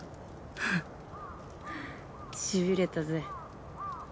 フッしびれたぜ。